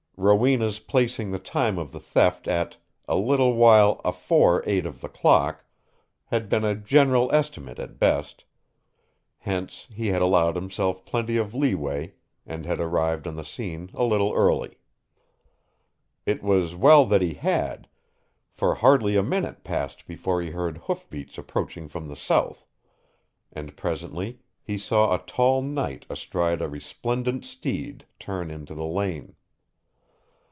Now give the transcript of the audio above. Rowena's placing the time of the theft at "a little while afore eight of the clock" had been a general estimate at best; hence he had allowed himself plenty of leeway and had arrived on the scene a little early. It was well that he had, for hardly a minute passed before he heard hoofbeats approaching from the south, and presently he saw a tall knight astride a resplendent steed turn into the lane.